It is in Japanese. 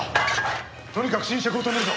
とにかく侵食を止めるぞ！